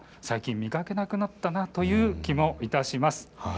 最近、見かけなくなったなという気もいたします。